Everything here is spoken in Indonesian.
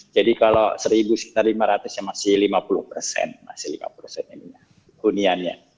jadi kalau seribu sekitar lima ratus nya masih lima puluh persen masih lima puluh persen ini ya kuniannya